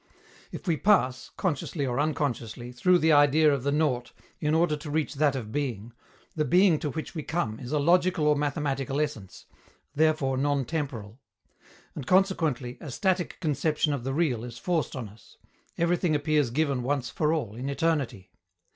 If we pass (consciously or unconsciously) through the idea of the nought in order to reach that of being, the being to which we come is a logical or mathematical essence, therefore non temporal. And, consequently, a static conception of the real is forced on us: everything appears given once for all, in eternity.